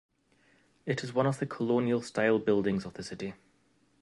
It is one of the colonial style buildings of the city.